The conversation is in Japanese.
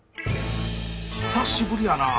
久しぶりやなあ。